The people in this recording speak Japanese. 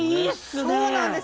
そうなんです。